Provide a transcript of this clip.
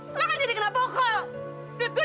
lu kan jadi kena bokel